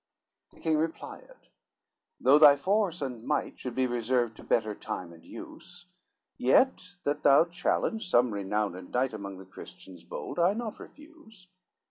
XIV The king replied, "Though thy force and might Should be reserved to better time and use; Yet that thou challenge some renowned knight, Among the Christians bold I not refuse."